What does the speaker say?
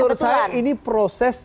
menurut saya ini proses